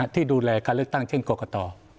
ที่ดูแลการเลือกตั้งเช่นกรกต